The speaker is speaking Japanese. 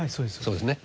そうですね。